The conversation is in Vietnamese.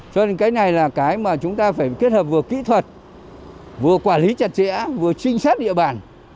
cho nên cái này là cái mà chúng ta phải kết hợp vừa kỹ thuật vừa quản lý chặt chẽ vừa trinh sát địa bàn